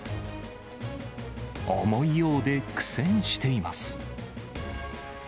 重いようで苦戦しています。